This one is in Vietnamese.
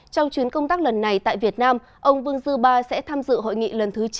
trong chuyến công tác lần này tại việt nam ông vương dư ba sẽ tham dự hội nghị lần thứ chín